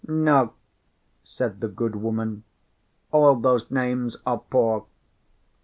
"No," said the good woman, "all those names are poor."